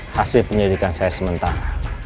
hasil penyelidikan saya sementara